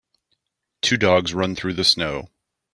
Two dogs run through the snow.